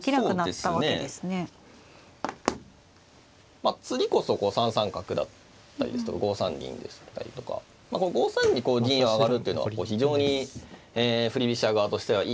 まあ次こそ３三角だったりですとか５三銀でしたりとか５三にこう銀上がるっていうのは非常に振り飛車側としてはいい形でですね